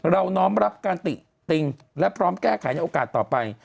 น้อมรับการติติงและพร้อมแก้ไขในโอกาสต่อไป